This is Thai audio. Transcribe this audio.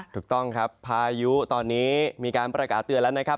ถูกต้องครับพายุตอนนี้มีการประกาศเตือนแล้วนะครับ